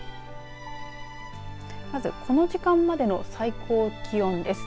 まずこの時間までの最高気温です。